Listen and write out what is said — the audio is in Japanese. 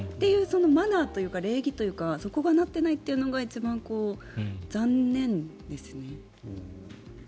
そのマナーというか礼儀というかそこがなっていないというのが一番残念ですね。